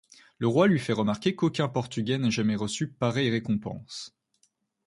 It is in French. Le roi lui fait remarquer qu'aucun portugais n'a jamais reçu pareille récompense.